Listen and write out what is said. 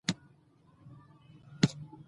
وګړي د افغانستان د ملي هویت یوه ډېره ښکاره نښه ده.